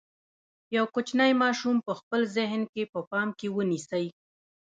یو کوچنی ماشوم په خپل ذهن کې په پام کې ونیسئ.